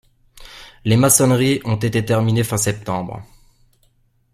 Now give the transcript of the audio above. Les maçonneries ont été terminées fin septembre.